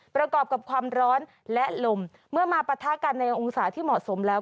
ประกอบกับความร้อนและลมเมื่อมาปะทะกันในองศาที่เหมาะสมแล้ว